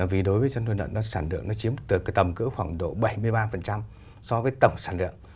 vì đối với chăn nuôi lợn nó sản lượng nó chiếm từ cái tầm cỡ khoảng độ bảy mươi ba so với tổng sản lượng